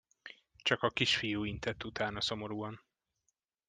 Csak a kisfiú intett utána szomorúan.